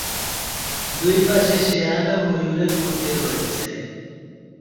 দুইপাশে শেয়াল ও ময়ূরের মূর্তি রয়েছে।